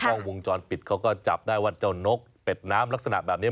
กล้องวงจรปิดเขาก็จับได้ว่าเจ้านกเป็ดน้ำลักษณะแบบนี้